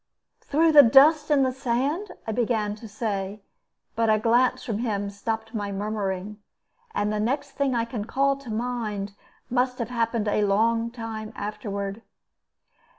"Through the dust and the sand?" I began to say; but a glance from him stopped my murmuring. And the next thing I can call to mind must have happened a long time afterward.